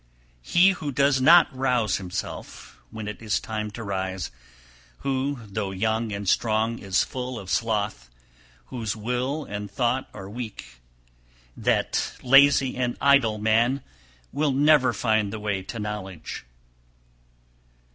280. He who does not rouse himself when it is time to rise, who, though young and strong, is full of sloth, whose will and thought are weak, that lazy and idle man will never find the way to knowledge.